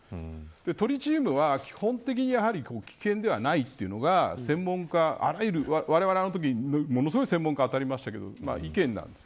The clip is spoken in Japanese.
トリチウムは、基本的に危険ではないというのがあらゆる専門家を渡りましたけどその意見なんです。